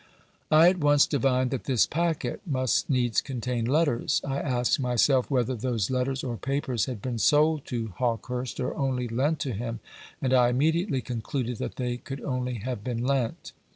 I at once divined that this packet must needs contain letters. I asked myself whether those letters or papers had been sold to Hawkehurst, or only lent to him, and I immediately concluded that they could only have been lent.